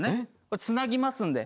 つなぎますんで。